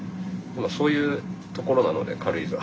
そういうところなので軽井沢。